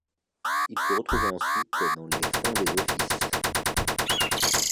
Il fut retrouvé ensuite dans les fonds des Offices.